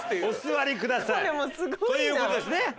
お座りください。という事ですね。